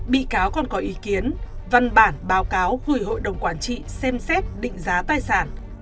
bị cáo còn có ý kiến văn bản báo cáo gửi hội đồng quản trị xem xét định giá tài sản